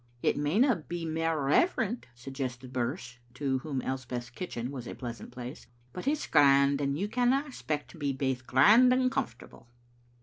"It majoia be mair reverent," suggested Birse, to whom Elspeth's kitchen was a pleasant place, " but it's grand, and you canna expect to be baith grand and comfortable."